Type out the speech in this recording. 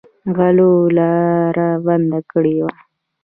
غلو لاره بنده کړې وه.